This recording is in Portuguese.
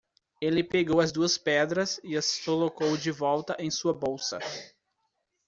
Ele pegou as duas pedras e as colocou de volta em sua bolsa.